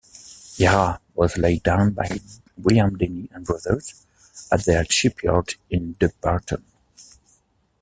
"Yarra" was laid down by William Denny and Brothers, at their shipyard in Dumbarton.